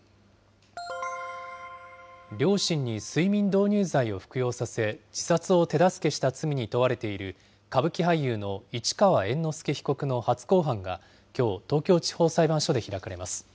両親に睡眠導入剤を服用させ、自殺を手助けした罪に問われている歌舞伎俳優の市川猿之助被告の初公判が、きょう東京地方裁判所で開かれます。